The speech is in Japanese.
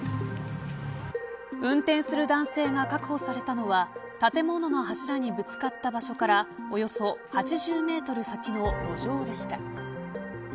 運転する男性が確保されたのは建物の柱にぶつかった場所からおよそ８０メートル先の路上でした。